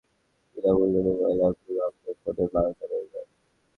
গবেষকেরা বলছেন, বিজ্ঞাপনযুক্ত বিনা মূল্যের মোবাইল অ্যাপগুলো আপনার ফোনের বারোটা বাজায়।